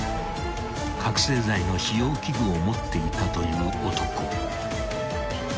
［覚醒剤の使用器具を持っていたという男］